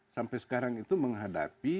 sampai sekarang itu menghadapi